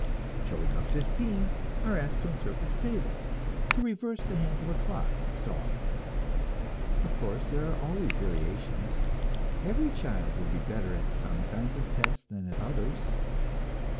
Children of fifteen are asked to interpret fables, to reverse the hands of a clock, and so on. Of course there are always variations; every child will be better at some kinds of tests than at others.